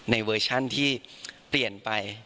เวอร์ชันที่เปลี่ยนไป